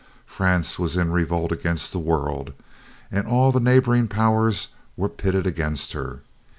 France was in revolt against the world, and all the neighboring powers were pitted against her.